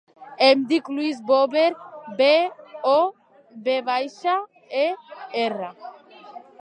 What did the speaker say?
Em dic Luis Bover: be, o, ve baixa, e, erra.